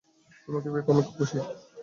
তোমাকে পেয়ে আমি খুশি।